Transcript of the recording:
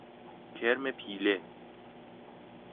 کرم پیله